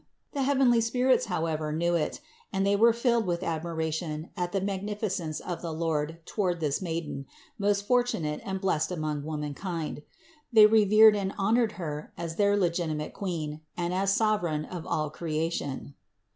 The heavenly spirits, however, knew it and they were filled with admiration at the magnificence of the Lord toward this Maiden, most fortunate and blessed among womankind. They revered and honored Her as their legitimate Queen and as Sovereign of all creation.